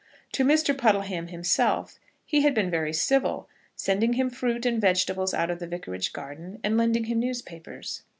To Mr. Puddleham himself, he had been very civil, sending him fruit and vegetables out of the Vicarage garden, and lending him newspapers.